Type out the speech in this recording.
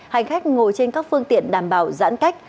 hành khách ngồi trên các phương tiện đảm bảo giãn cách